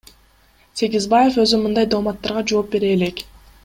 Сегизбаев өзү мындай дооматтарга жооп бере элек.